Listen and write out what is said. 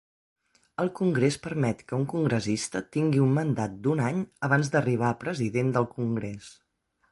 El Congrés permet que un congressista tingui un mandat d'un any abans d'arribar a President del Congrés.